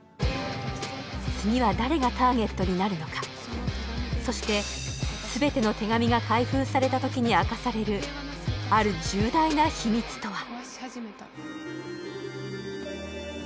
次は誰がターゲットになるのかそしてすべての手紙が開封されたときに明かされるある重大な秘密とは？